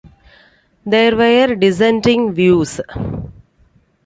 There were dissenting views.